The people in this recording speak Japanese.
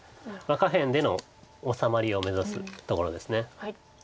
下辺での治まりを目指すところです。